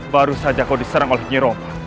baru saja kau diserang oleh niro